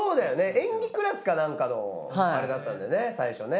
演技クラスか何かのあれだったんだよね最初ね。